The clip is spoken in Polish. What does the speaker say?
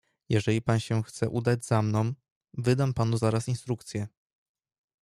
"Jeżeli pan się chce udać za mną, wydam panu zaraz instrukcje."